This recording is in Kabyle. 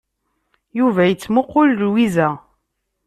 Yuba yettmuqul Lwiza.